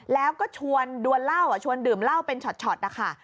แล้วก็ชวนดวนเหล้าชวนดื่มเหล้าเป็นช็อตนะคะ